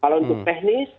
kalau untuk teknis